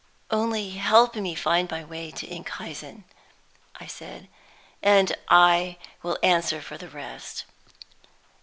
"Only help me to find my way to Enkhuizen," I said, "and I will answer for the rest."